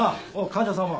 患者さんは？